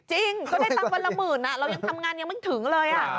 จริงก็ได้ตังค์วันละหมื่นเรายังทำงานยังไม่ถึงเลย